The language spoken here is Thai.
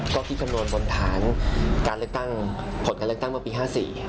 ก็คิดคำนวณบนฐานการเลือกตั้งผลการเลือกตั้งเมื่อปี๕๔